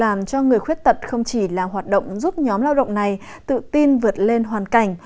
làm cho người khuyết tật không chỉ là hoạt động giúp nhóm lao động này tự tin vượt lên hoàn cảnh